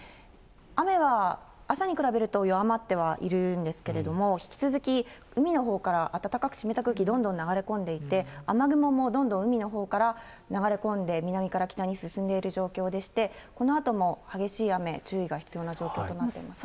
雨は朝に比べると弱まってはいるんですけれども、引き続き海のほうから暖かく湿った空気どんどん流れ込んでいて、雨雲もどんどん海のほうから流れ込んで、南から北に進んでいる状況でして、このあとも激しい雨、注意が必要な状況となっていますね。